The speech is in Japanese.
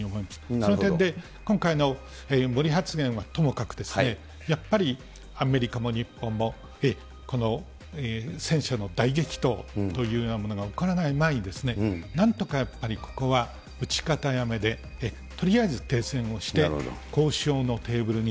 その点で今回の森発言はともかく、やっぱりアメリカも日本も、この戦車の大激闘というようなものが起こらない前に、なんとかやっぱりここは、撃ち方やめで、とりあえず停戦をして交渉のテーブルに。